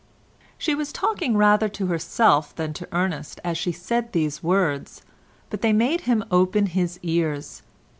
She was talking rather to herself than to Ernest as she said these words, but they made him open his ears.